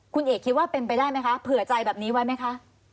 คุณเอกคิดว่าเป็นไปได้ไหมคะเผื่อใจแบบนี้ไว้ไหมคะ